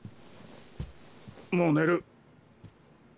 もう寝る！